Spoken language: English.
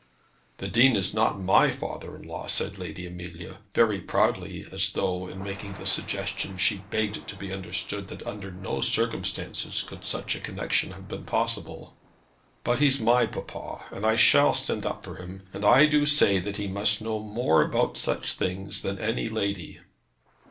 "The Dean is not my father in law," said Lady Amelia, very proudly, as though in making the suggestion, she begged it to be understood that under no circumstances could such a connection have been possible. "But he's my papa, and I shall stand up for him, and I do say that he must know more about such things than any lady."